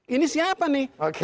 ini siapa nih